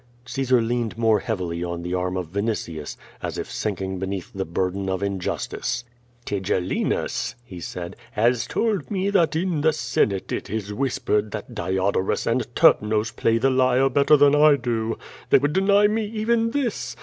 '' Caesar leaned more heavily on the arm of Vinitius, as if sinking beneath the burden of injustice. *'Tigellinus/' he said, "has told me that in the Senate it is whispered that Diodorus and Terpnos play the lyre better than 1 do. They would deny me even this!